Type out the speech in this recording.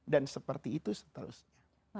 dan seperti itu seterusnya